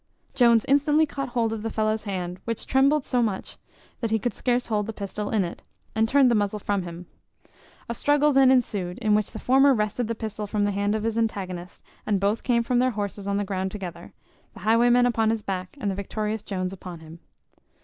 Jones instantly caught hold of the fellow's hand, which trembled so that he could scarce hold the pistol in it, and turned the muzzle from him. A struggle then ensued, in which the former wrested the pistol from the hand of his antagonist, and both came from their horses on the ground together, the highwayman upon his back, and the victorious Jones upon him.